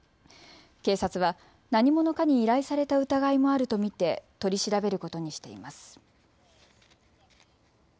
警察は何者かに依頼された疑いもあると見て取り調べることにしています。